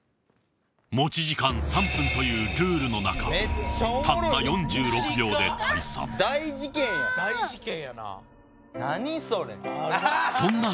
持ち時間３分というルールの中大事件やん。